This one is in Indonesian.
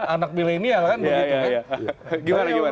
anak milenial kan begitu